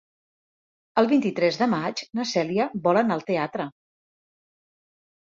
El vint-i-tres de maig na Cèlia vol anar al teatre.